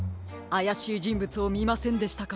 あやしいじんぶつをみませんでしたか？